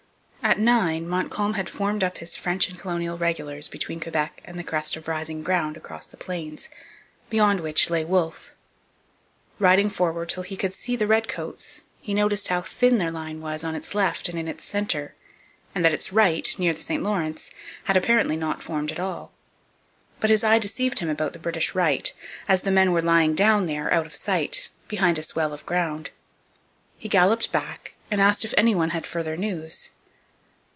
At nine Montcalm had formed up his French and colonial regulars between Quebec and the crest of rising ground across the Plains beyond which lay Wolfe. Riding forward till he could see the redcoats, he noticed how thin their line was on its left and in its centre, and that its right, near the St Lawrence, had apparently not formed at all. But his eye deceived him about the British right, as the men were lying down there, out of sight, behind a swell of ground. He galloped back and asked if any one had further news.